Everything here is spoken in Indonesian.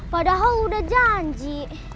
padahal udah janji